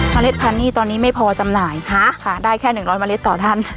มะเลสพันนี่ตอนนี้ไม่ปอจำหมายได้แค่ร้อยเมล็ดต่อทั้น